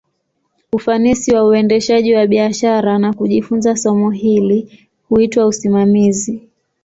Ufanisi wa uendeshaji wa biashara, na kujifunza somo hili, huitwa usimamizi.